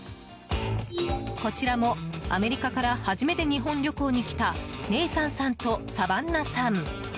こちらもアメリカから初めて日本旅行に来たネイサンさんとサバンナさん。